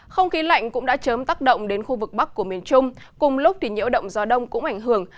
không khí lạnh cũng đã chớm tác động đến khu vực bắc của miền trung cùng lúc nhiễu động gió đông cũng ảnh hưởng